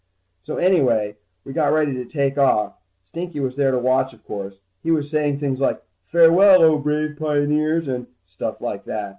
So anyway, we got ready to take off. Stinky was there to watch, of course. He was saying things like, farewell, O brave pioneers, and stuff like that.